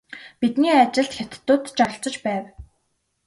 Бидний ажилд хятадууд ч оролцож байв.